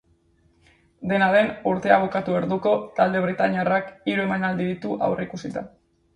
Dena den, urtea bukatu orduko talde britainiarrak hiru emanaldi ditu aurreikusita.